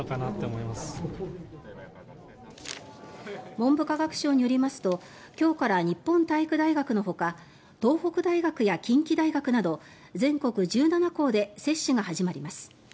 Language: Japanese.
文部科学省によりますと今日から日本体育大学のほか東北大学や近畿大学など全国１７校で接種が始まります。